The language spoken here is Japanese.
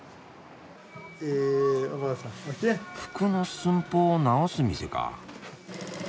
服の寸法を直す店か。